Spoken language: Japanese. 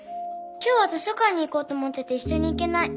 今日は図書館に行こうと思ってていっしょに行けない。